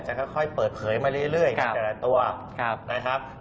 จะค่อยเปิดเผยมาเรื่อยจากตัวนะครับ